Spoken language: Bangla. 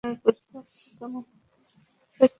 ফেটি, খালা।